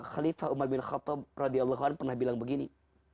khalifah umar bin khattab radiallahu anhu pernah bilang begini